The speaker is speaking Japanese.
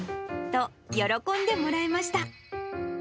と、喜んでもらえました。